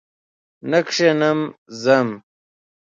نه کښېنم ځم!